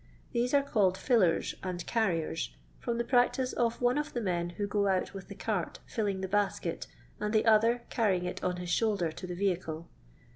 These are called "fillers" and "carriers," from the practice of one of the men who go out with the cart filling the basket, and the other earrying it on his shoulder to the vehicle.